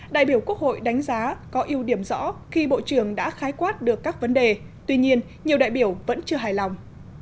đại biểu quốc hội đánh giá có ưu điểm rõ khi bộ trưởng đã khái quát được các vấn đề tuy nhiên nhiều đại biểu vẫn chưa hài lòng